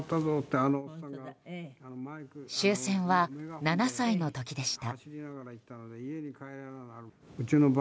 終戦は７歳の時でした。